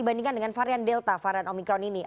mungkin kan dengan varian delta varian omikron ini